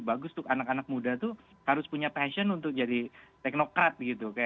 bagus tuh anak anak muda tuh harus punya passion untuk jadi teknokrat gitu